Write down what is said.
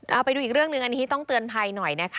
เอาไปดูอีกเรื่องหนึ่งอันนี้ต้องเตือนภัยหน่อยนะคะ